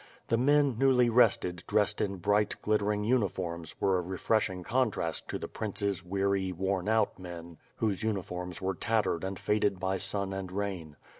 The men, newly rested, dressed in bright, glittering uniforms, were a refreshing con trast to the prince's weary, worn out men, whose uniforms were tattered and faded by sun and rain.